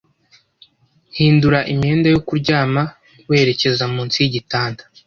Hindura imyenda yo kuryama werekeza munsi yigitanda,